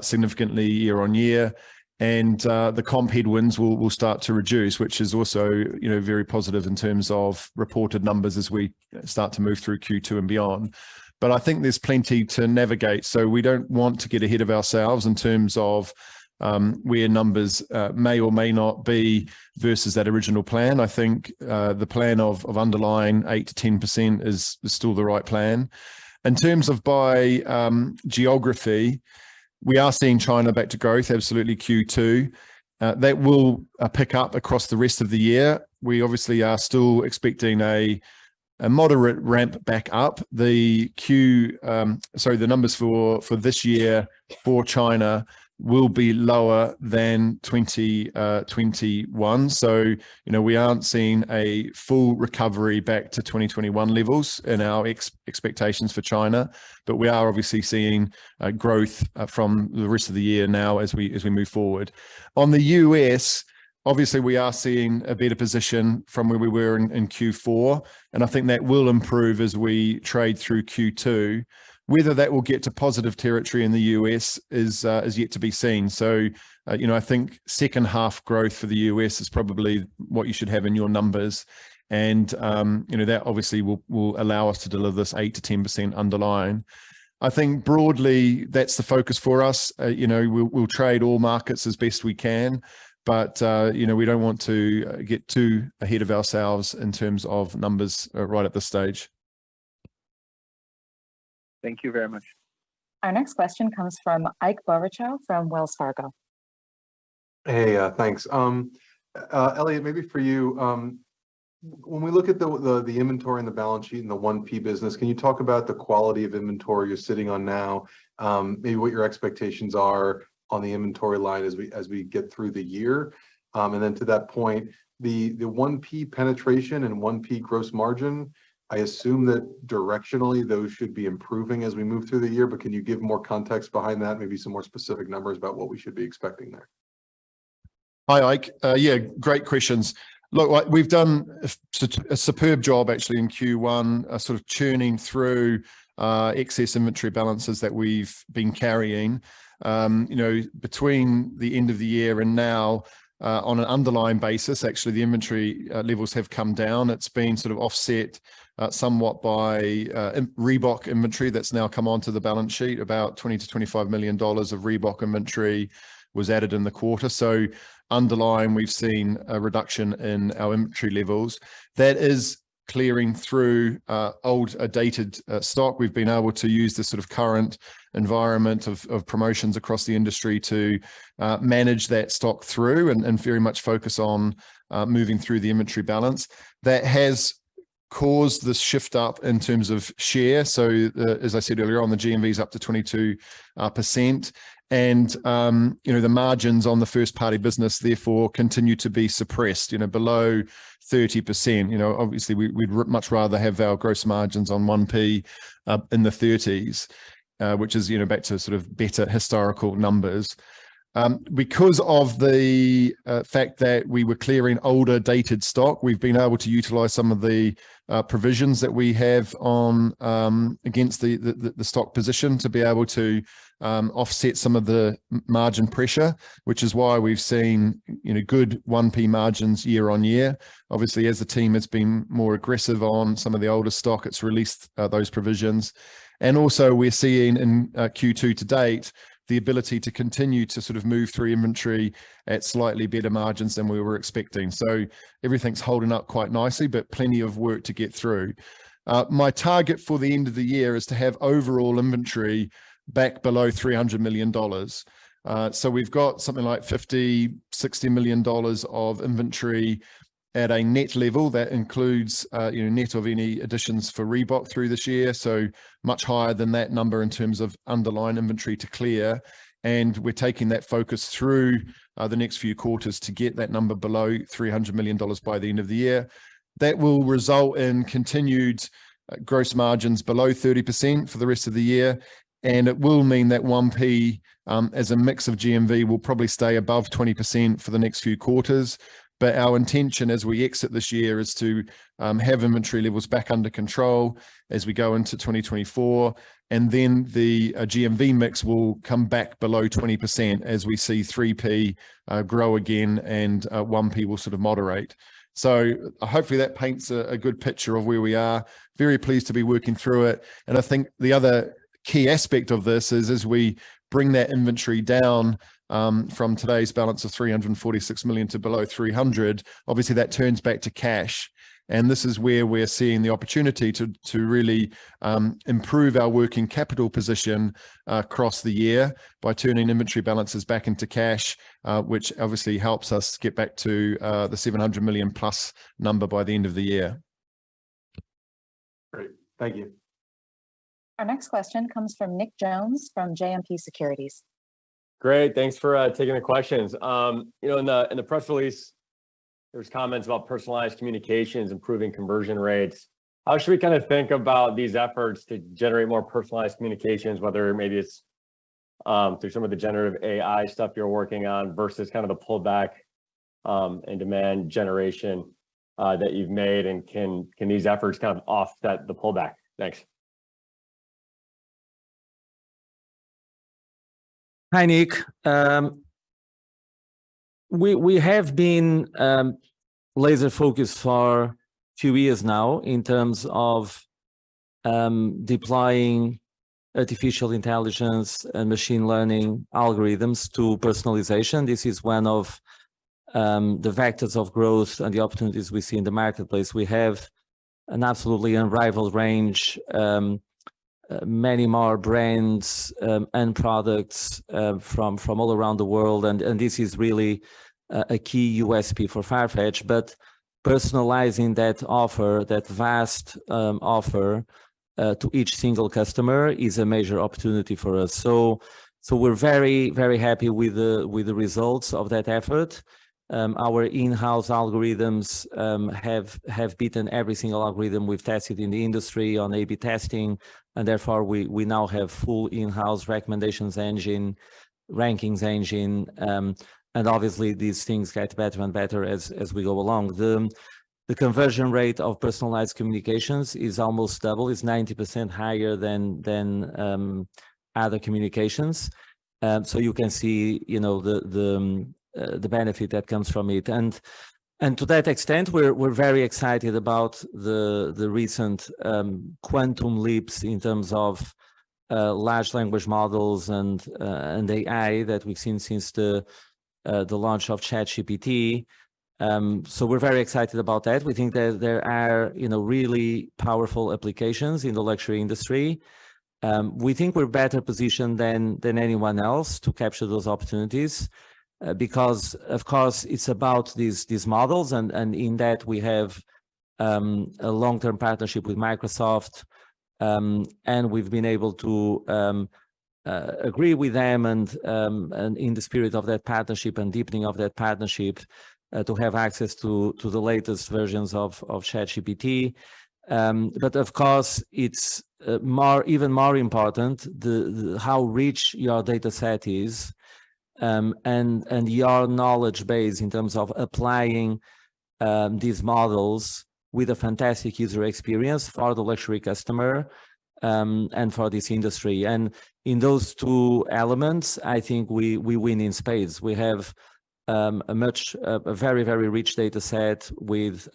significantly year-on-year. The comp headwinds will start to reduce, which is also, you know, very positive in terms of reported numbers as we start to move through Q2 and beyond. I think there's plenty to navigate, so we don't want to get ahead of ourselves in terms of where numbers may or may not be versus that original plan. I think the plan of underlying 8%-10% is still the right plan. In terms of by geography, we are seeing China back to growth, absolutely Q2. That will pick up across the rest of the year. We obviously are still expecting a moderate ramp back up. The numbers for this year for China will be lower than 2021. You know, we aren't seeing a full recovery back to 2021 levels in our expectations for China. We are obviously seeing growth from the rest of the year now as we move forward. On the U.S., obviously, we are seeing a better position from where we were in Q4, and I think that will improve as we trade through Q2. Whether that will get to positive territory in the U.S. is yet to be seen. You know, I think second half growth for the U.S. is probably what you should have in your numbers. You know, that obviously will allow us to deliver this 8%-10% underlying. I think broadly that's the focus for us. you know, we'll trade all markets as best we can, but, you know, we don't want to get too ahead of ourselves in terms of numbers, right at this stage. Thank you very much. Our next question comes from Ike Boruchow from Wells Fargo. Hey, thanks. Elliot, maybe for you, when we look at the inventory and the balance sheet in the 1P business, can you talk about the quality of inventory you're sitting on now? Maybe what your expectations are on the inventory line as we get through the year. Then to that point, the 1P penetration and 1P gross margin, I assume that directionally those should be improving as we move through the year, but can you give more context behind that? Maybe some more specific numbers about what we should be expecting there. Hi, Ike. Yeah, great questions. Look, like we've done a superb job actually in Q1, sort of churning through excess inventory balances that we've been carrying. You know, between the end of the year and now, on an underlying basis, actually, the inventory levels have come down. It's been sort of offset somewhat by Reebok inventory that's now come onto the balance sheet. About $20 million-$25 million of Reebok inventory was added in the quarter. Underlying, we've seen a reduction in our inventory levels. That is clearing through old, dated stock. We've been able to use the sort of current environment of promotions across the industry to manage that stock through and very much focus on moving through the inventory balance. That has caused this shift up in terms of share. As I said earlier on, the GMV is up to 22%. You know, the margins on the first party business therefore continue to be suppressed, you know, below 30%. You know, obviously we'd much rather have our gross margins on 1P in the 30s. Which is, you know, back to sort of better historical numbers. Because of the fact that we were clearing older dated stock, we've been able to utilize some of the provisions that we have against the stock position to be able to offset some of the margin pressure, which is why we've seen, you know, good 1P margins year-over-year. Obviously, as the team has been more aggressive on some of the older stock, it's released those provisions. Also we're seeing in Q2 to date, the ability to continue to sort of move through inventory at slightly better margins than we were expecting. Everything's holding up quite nicely, but plenty of work to get through. My target for the end of the year is to have overall inventory back below $300 million. We've got something like $50 million-$60 million of inventory at a net level. That includes, you know, net of any additions for Reebok through this year, so much higher than that number in terms of underlying inventory to clear. We're taking that focus through the next few quarters to get that number below $300 million by the end of the year. That will result in continued gross margins below 30% for the rest of the year, and it will mean that 1P as a mix of GMV will probably stay above 20% for the next few quarters. Our intention as we exit this year is to have inventory levels back under control as we go into 2024, and then the GMV mix will come back below 20% as we see 3P grow again and 1P will sort of moderate. Hopefully that paints a good picture of where we are. Very pleased to be working through it. I think the other key aspect of this is, as we bring that inventory down from today's balance of $346 million to below $300 million, obviously that turns back to cash. This is where we're seeing the opportunity to really improve our working capital position across the year by turning inventory balances back into cash, which obviously helps us get back to the $700 million-plus number by the end of the year. Great. Thank you. Our next question comes from Nick Jones from JMP Securities. Great. Thanks for taking the questions. You know, in the press release, there was comments about personalized communications, improving conversion rates. How should we kind of think about these efforts to generate more personalized communications, whether maybe it's through some of the generative AI stuff you're working on versus kind of the pullback in demand generation that you've made, and can these efforts kind of offset the pullback? Thanks. Hi, Nick. We have been laser-focused for years now in terms of deploying artificial intelligence and machine learning algorithms to personalization. This is one of the vectors of growth and the opportunities we see in the marketplace. We have an absolutely unrivaled range, many more brands and products from all around the world. This is really a key USP for FARFETCH, but personalizing that offer, that vast offer to each single customer is a major opportunity for us. We're very, very happy with the results of that effort. Our in-house algorithms have beaten every single algorithm we've tested in the industry on A/B testing, and therefore we now have full in-house recommendations engine, rankings engine, and obviously these things get better and better as we go along. The conversion rate of personalized communications is almost double. It's 90% higher than other communications. You can see, you know, the benefit that comes from it. To that extent, we're very excited about the recent quantum leaps in terms of large language models and AI that we've seen since the launch of ChatGPT. We're very excited about that. We think that there are, you know, really powerful applications in the luxury industry. We think we're better positioned than anyone else to capture those opportunities, because of course, it's about these models and in that we have a long-term partnership with Microsoft. We've been able to agree with them and in the spirit of that partnership and deepening of that partnership, to have access to the latest versions of ChatGPT. Of course, it's more even more important the how rich your dataset is, and your knowledge base in terms of applying these models with a fantastic user experience for the luxury customer, and for this industry. In those two elements, I think we win in spades. We have a very rich dataset with,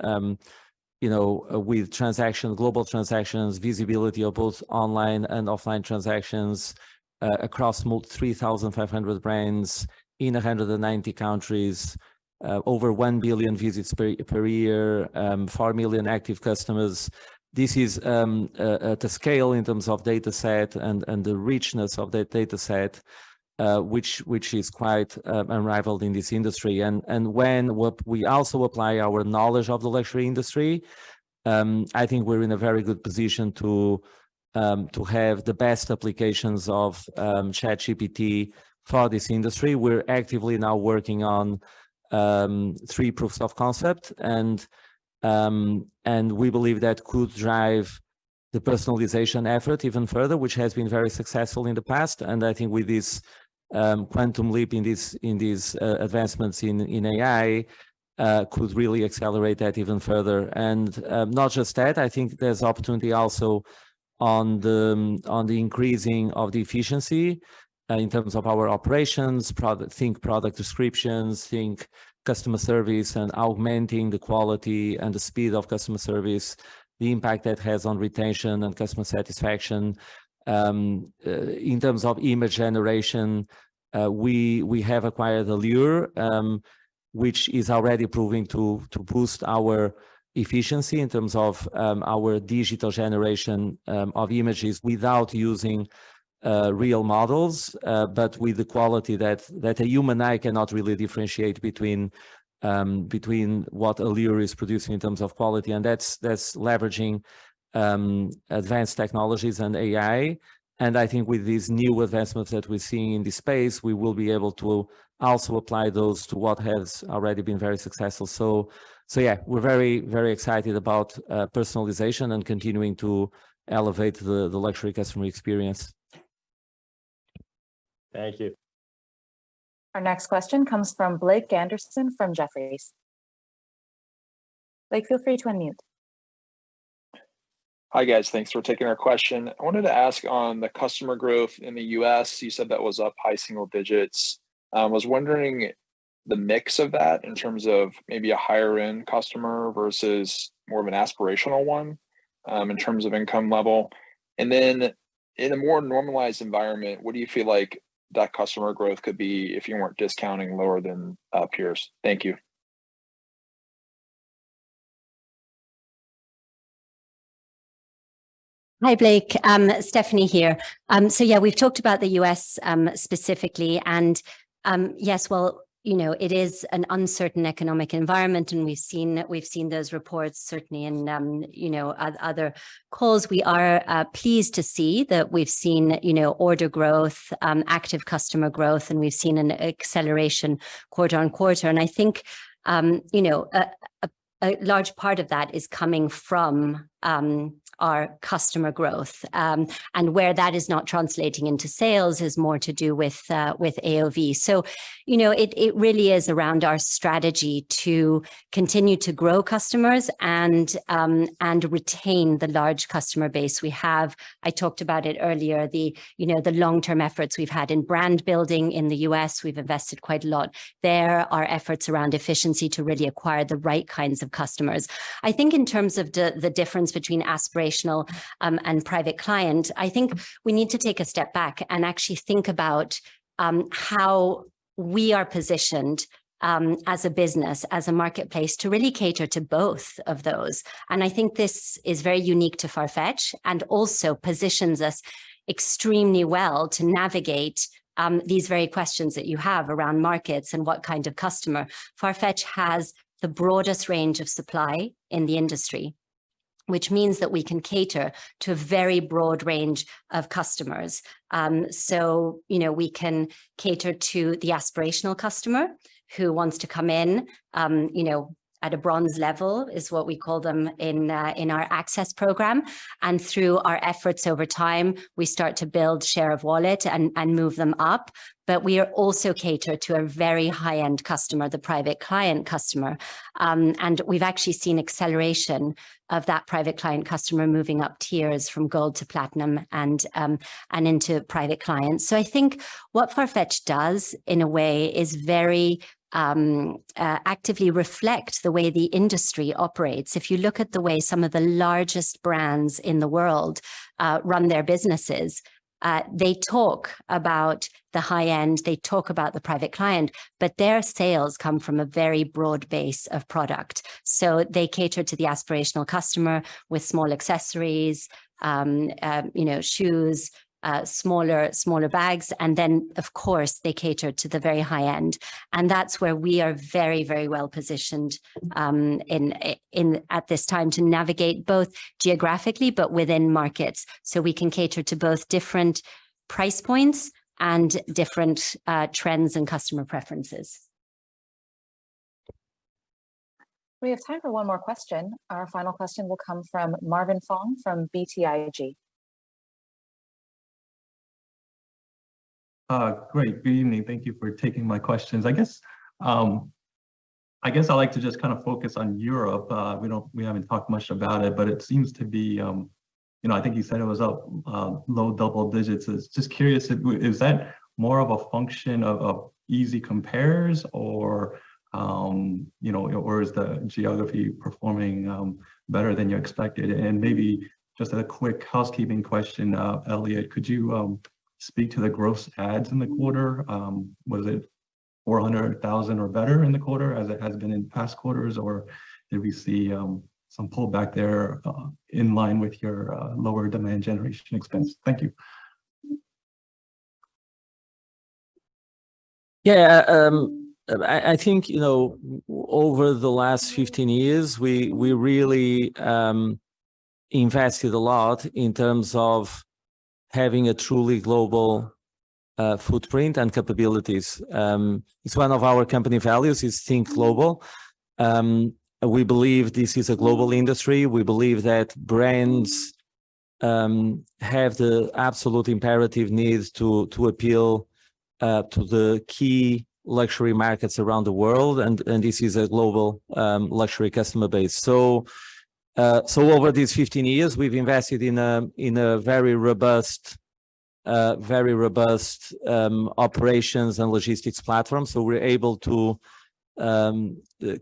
you know, with transactions, global transactions, visibility of both online and offline transactions, across 3,500 brands in 190 countries, over 1 billion visits per year, 4 million active customers. This is the scale in terms of dataset and the richness of that dataset, which is quite unrivaled in this industry. When what we also apply our knowledge of the luxury industry, I think we're in a very good position to have the best applications of ChatGPT for this industry. We're actively now working on 3 proofs of concept and we believe that could drive the personalization effort even further, which has been very successful in the past. I think with this quantum leap in these advancements in AI could really accelerate that even further. Not just that, I think there's opportunity also on the increasing of the efficiency in terms of our operations. Think product descriptions, think customer service and augmenting the quality and the speed of customer service, the impact that has on retention and customer satisfaction. In terms of image generation, we have acquired Allure, which is already proving to boost our efficiency in terms of our digital generation of images without using real models, but with the quality that a human eye cannot really differentiate between what Allure is producing in terms of quality. That's leveraging advanced technologies and AI. I think with these new advancements that we're seeing in this space, we will be able to also apply those to what has already been very successful. Yeah, we're very excited about personalization and continuing to elevate the luxury customer experience. Thank you. Our next question comes from Blake Anderson from Jefferies. Blake, feel free to unmute. Hi, guys. Thanks for taking our question. I wanted to ask on the customer growth in the U.S., you said that was up high single-digit. Was wondering the mix of that in terms of maybe a higher end customer versus more of an aspirational one, in terms of income level. In a more normalized environment, what do you feel like that customer growth could be if you weren't discounting lower than peers? Thank you. Hi, Blake. Stephanie here. Yeah, we've talked about the U.S. specifically, and yes, well, you know, it is an uncertain economic environment, and we've seen those reports certainly in, you know, other calls. We are pleased to see that we've seen, you know, order growth, active customer growth, and we've seen an acceleration quarter-on-quarter. I think, you know, a large part of that is coming from our customer growth. Where that is not translating into sales is more to do with AOV. You know, it really is around our strategy to continue to grow customers and retain the large customer base we have. I talked about it earlier, the, you know, the long-term efforts we've had in brand building in the U.S., we've invested quite a lot. There are efforts around efficiency to really acquire the right kinds of customers. I think in terms of the difference between aspirational, and private client, I think we need to take a step back and actually think about how we are positioned, as a business, as a marketplace to really cater to both of those. I think this is very unique to FARFETCH and also positions us extremely well to navigate, these very questions that you have around markets and what kind of customer. FARFETCH has the broadest range of supply in the industry, which means that we can cater to a very broad range of customers. you know, we can cater to the aspirational customer who wants to come in, you know, at a bronze level, is what we call them in our Access programme. Through our efforts over time, we start to build share of wallet and move them up. We are also cater to a very high-end customer, the private client customer. We've actually seen acceleration of that private client customer moving up tiers from gold to platinum and into private clients. I think what FARFETCH does in a way is very actively reflect the way the industry operates. If you look at the way some of the largest brands in the world run their businesses, they talk about the high end, they talk about the private client, but their sales come from a very broad base of product. They cater to the aspirational customer with small accessories, you know, shoes, smaller bags, and then of course, they cater to the very high end. That's where we are very, very well positioned at this time to navigate both geographically but within markets, so we can cater to both different price points and different trends and customer preferences. We have time for one more question. Our final question will come from Marvin Fong from BTIG. Great. Good evening. Thank you for taking my questions. I guess I'd like to just kind of focus on Europe. We haven't talked much about it, but it seems to be, you know, I think you said it was up low double-digit. I was just curious, is that more of a function of easy compares or, you know, or is the geography performing better than you expected? Maybe just a quick housekeeping question. Elliot, could you speak to the gross adds in the quarter? Was it $400,000 or better in the quarter as it has been in past quarters, or did we see some pullback there in line with your lower demand generation expense? Thank you. Yeah. I think, you know, over the last 15 years, we really invested a lot in terms of having a truly global footprint and capabilities. It's one of our company values is think global. We believe this is a global industry. We believe that brands have the absolute imperative needs to appeal to the key luxury markets around the world, and this is a global luxury customer base. So over these 15 years, we've invested in a very robust, very robust operations and logistics platform. So we're able to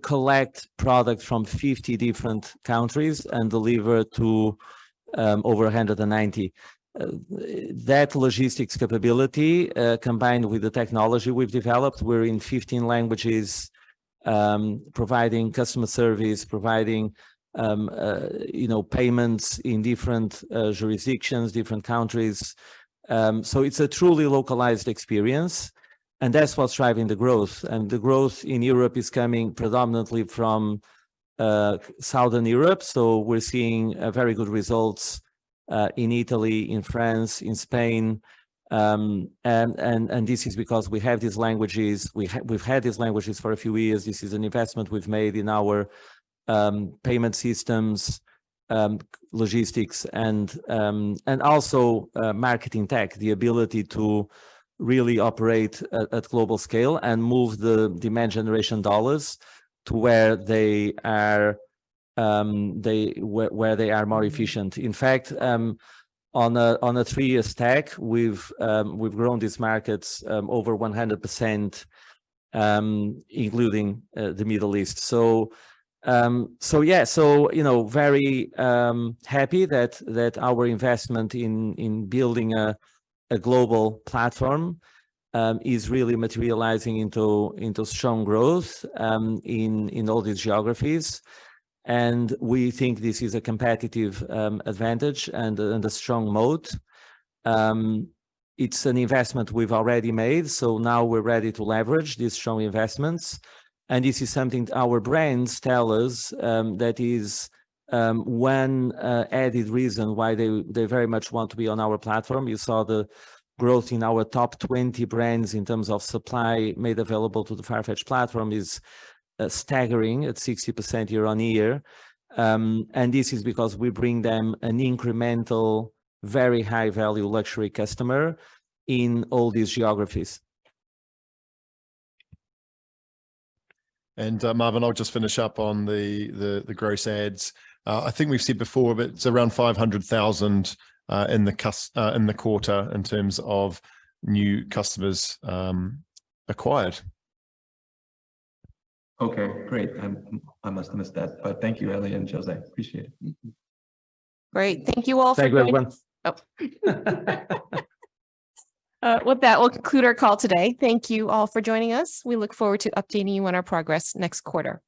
collect products from 50 different countries and deliver to over 190. That logistics capability, combined with the technology we've developed, we're in 15 languages, providing customer service, providing, you know, payments in different jurisdictions, different countries. It's a truly localized experience, and that's what's driving the growth. The growth in Europe is coming predominantly from Southern Europe, so we're seeing very good results in Italy, in France, in Spain. This is because we have these languages. We've had these languages for a few years. This is an investment we've made in our payment systems, logistics, and also marketing tech, the ability to really operate at global scale and move the demand generation dollars to where they are where they are more efficient. In fact, on a three-year stack, we've grown these markets over 100%, including the Middle East. Yeah. You know, very happy that our investment in building a global platform is really materializing into strong growth in all these geographies. We think this is a competitive advantage and a strong moat. It's an investment we've already made, so now we're ready to leverage these strong investments. This is something our brands tell us that is one added reason why they very much want to be on our platform. You saw the growth in our top 20 brands in terms of supply made available to the FARFETCH platform is staggering at 60% year-on-year. This is because we bring them an incremental, very high-value luxury customer in all these geographies. Marvin, I'll just finish up on the gross adds. I think we've said before, but it's around 500,000 in the quarter in terms of new customers acquired. Okay, great. I must have missed that. Thank you, Elliot and José. Appreciate it. Great. Thank you all for joining. Thank you, everyone. With that, we'll conclude our call today. Thank you all for joining us. We look forward to updating you on our progress next quarter.